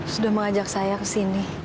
sudah mengajak saya kesini